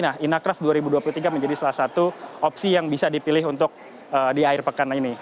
nah inacraft dua ribu dua puluh tiga menjadi salah satu opsi yang bisa dipilih untuk di akhir pekan ini